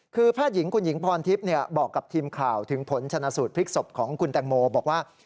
คือแพทย์หญิงคุณหญิงพรทิพย์บอกกับทีมข่าวถึงผลชนะสูตรพลิกศพของคุณแตงโมบอกว่า